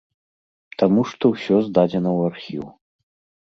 Таму што ўсё здадзена ў архіў.